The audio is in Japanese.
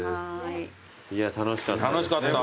いや楽しかった。